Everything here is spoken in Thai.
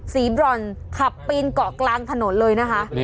บรอนขับปีนเกาะกลางถนนเลยนะคะ